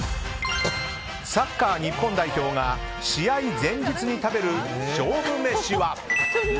サッカー日本代表が試合前日に食べる勝負メシは？